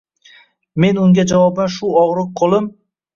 Men unga javoban shu og’riq qo’lim